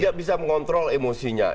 tidak bisa mengontrol emosinya